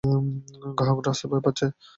গ্রাহকরা আসতে ভয় পাচ্ছে।